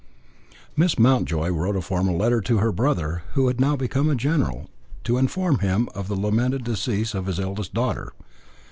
Miss Mountjoy wrote a formal letter to her brother, who had now become a general, to inform him of the lamented decease of his eldest daughter.